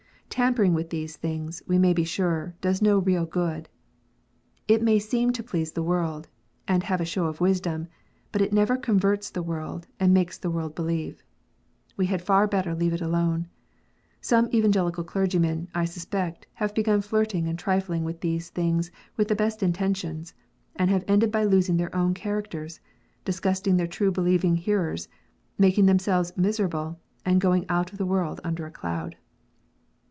Tampering with these things, we may be sure, does no real good. It may seem to please the world, and have a " show of wisdom," but it never converts the world, and makes the world believe. We had far better leave it alone. Some Evangelical clergymen, I suspect, have begun flirting and trilling with these things with the best intentions, and have ended by losing their own characters, disgusting their true believing hearers, making themselves miserable, and going out of the world under a cloud.